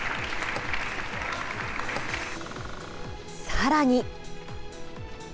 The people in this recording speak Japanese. さらに。